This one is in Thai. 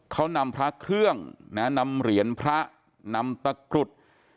เขานำพระเครื่องนะนำเหรียญพระนำตะกรุด